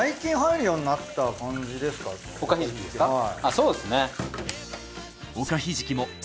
そうですね。